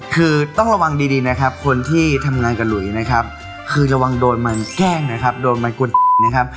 คือต้องระวังดีนะครับคนที่ทำงานกับหลุยนะครับคือระวังโดนมันแกล้งนะครับโดนมันกุดนะครับ